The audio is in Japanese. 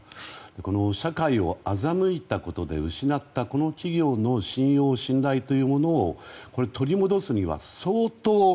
この社会を欺いたことで失ったこの企業の信用・信頼を取り戻すには相当。